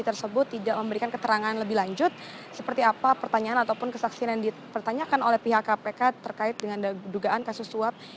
tersebut tidak memberikan keterangan lebih lanjut seperti apa pertanyaan ataupun kesaksian yang dipertanyakan oleh pihak kpk terkait dengan dugaan kasus suap